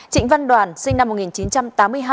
trịnh văn đoàn sinh năm một nghìn chín trăm tám mươi hai